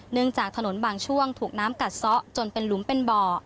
จากถนนบางช่วงถูกน้ำกัดซะจนเป็นหลุมเป็นบ่อ